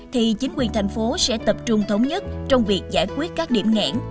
thì chính quyền thành phố sẽ tập trung thống nhất trong việc giải quyết các điểm nghẽn